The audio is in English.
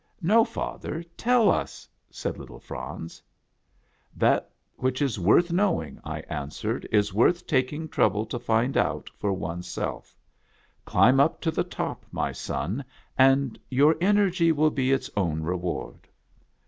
" No. father, tell us," said little Franz. " That which is worth knowing," I answered, "is worth taking trouble to find out for one's self ; climb up to the top, my son, and your energy will be its own reward."